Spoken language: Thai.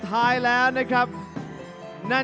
มันเป็นชื่อจริง